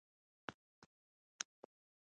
• عدالت د انسان لپاره لازمي دی.